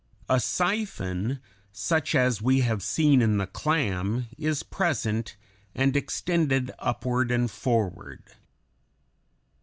A siphon, such as we have seen in the clam, is present and extended upward and forward.